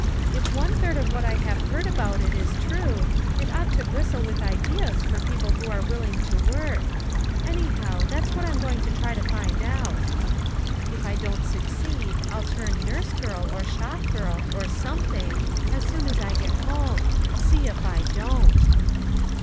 "If one third of what I have heard about it is true, it ought to bristle with ideas for people who are willing to work. Anyhow, that's what FOUK MOTHERS AT CHAUTAUQUA 103 I'm going to try to find out If I don't suc ceed, I'll turn nurse girl, or shop girl, or some thing, as soon as I got Lome; see if I don't."